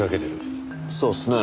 そうっすね。